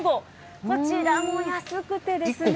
こちらも安くて。